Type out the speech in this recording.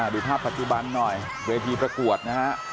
ดูภาพปัจจุบันหน่อยเวทีประกวดนะฮะ